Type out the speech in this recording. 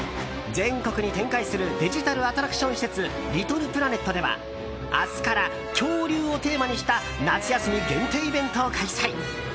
全国に展開するデジタルアトラクション施設リトルプラネットでは明日から恐竜をテーマにした夏休み限定イベントを開催。